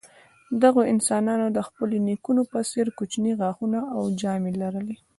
دغو انسانانو د خپلو نیکونو په څېر کوچني غاښونه او ژامې لرلې.